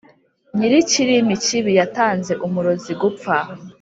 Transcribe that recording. Nyirikirimi kibi yatanze umurozi gupfa